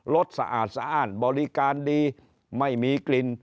สสะอาดสะอ้านบริการดีไม่มีกลิ่น